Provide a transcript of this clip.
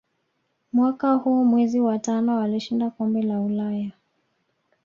Mwaka huu mwezi wa tano alishinda kombe la ulaya